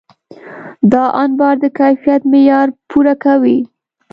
دا انبار د کیفیت معیار پوره کوي.